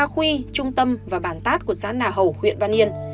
ba khuy trung tâm và bản tát của xã nà hầu huyện văn yên